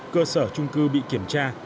cơ sở trung cư bị kiểm tra